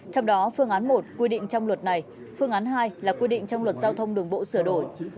trong đó phương án một quy định trong luật này phương án hai là quy định trong luật giao thông đường bộ sửa đổi